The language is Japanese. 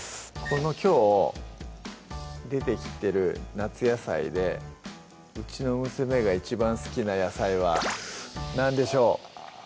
このきょう出てきてる夏野菜でうちの娘が一番好きな野菜は何でしょう？